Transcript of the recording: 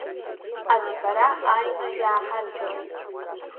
Аҿҳәара ааины иааҳадгылеит.